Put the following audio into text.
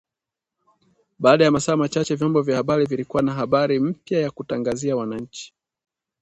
Baada ya masaa machache vyombo vya habari vilikuwa na habari mpya ya kutangazia wananchi